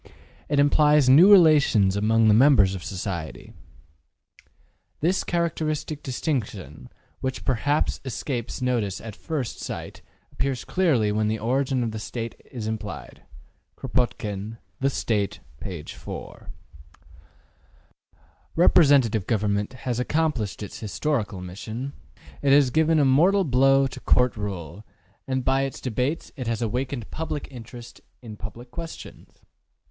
It implies new relations among the members of society. ``This characteristic distinction, which perhaps escapes notice at first sight, appears clearly when the origin of the State is studied.'' Kropotkin, ``The State.'' p. 4. Representative government has accomplished its historical mission; it has given a mortal blow to Court rule; and by its debates it has awakened public interest in public questions.